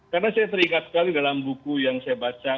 karena saya terikat sekali dalam buku yang saya baca